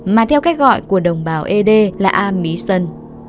mà theo cách gọi của đồng bào ed là a mí sân